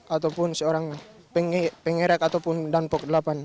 ataupun seorang pengerek ataupun dan pok delapan